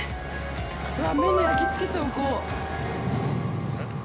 目に焼きつけておこう。